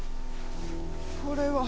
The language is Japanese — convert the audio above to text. これは！